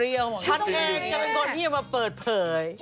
มีอยู่ตรงในทำไมแกไม่ได้